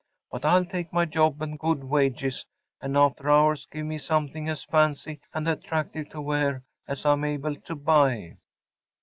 But I’ll take my job and good wages; and after hours give me something as fancy and attractive to wear as I am able to buy.